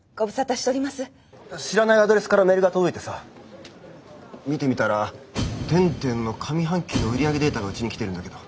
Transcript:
ご無知らないアドレスからメールが届いてさ見てみたら天・天の上半期の売り上げデータがうちに来てるんだけど。